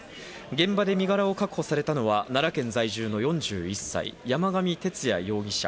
現場で身柄を確保されたのは奈良県在住の４１歳、山上徹也容疑者。